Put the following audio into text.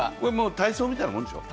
体操みたいなもんでしょう？